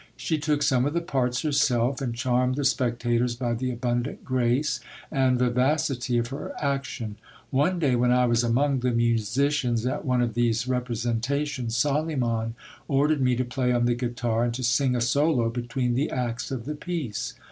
She took some of the parts herself, and charmed the spectators by the abundant grace and vivacity of her action. One day when I was among the musicians at one of these representa tions, Soliman ordered me to play on the guitar, and to sing a solo between the acts of the piece.